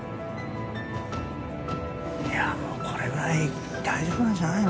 いやもうこれぐらい大丈夫なんじゃないの？